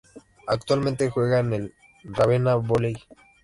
Actualmente juega en el Ravenna Volley.